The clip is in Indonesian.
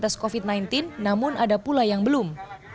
tes covid sembilan belas namun ada pula yang belum